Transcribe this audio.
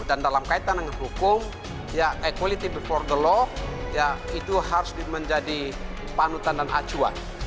dan dalam kaitan dengan hukum equality before the law itu harus menjadi panutan dan acuan